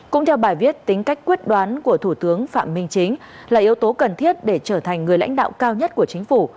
cũng theo bài viết tính cách quyết đoán của thủ tướng phạm minh chính là yếu tố cần thiết để trở thành người lãnh đạo cao nhất của chính phủ